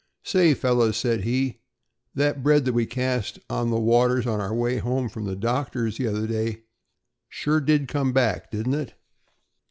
"Say, fellows," said he, "that bread that we cast on the waters on our way home from the doctor's the other day sure did come back, didn't it?"